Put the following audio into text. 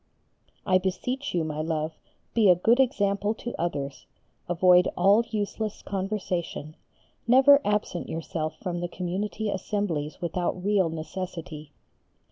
I beseech you, my love, be a good example to others, avoid all useless conversation, never absent yourself from the community assemblies without real necessity.